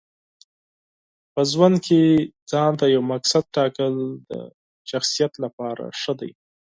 په ژوند کې ځانته یو مقصد ټاکل د شخصیت لپاره مهم دي.